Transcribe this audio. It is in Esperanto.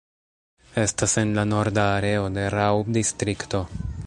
Estas en la norda areo de Raub-distrikto.